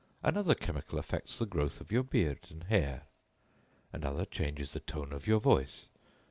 Another chemical affects the growth of your beard and hair; another changes the tone of your voice.